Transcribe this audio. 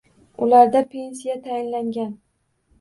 Ularda pensiya tayinlangan